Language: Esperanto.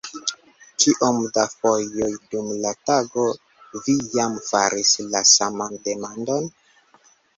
Kiom da fojoj dum la tago vi jam faris la saman demandon?